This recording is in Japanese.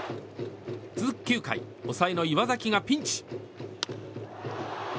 続く９回、抑えの岩崎がピンチ。